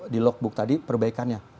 di logbook tadi perbaikannya